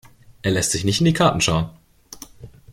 Er lässt sich nicht in die Karten schauen.